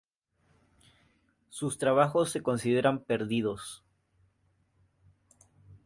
Sus trabajos se consideran perdidos.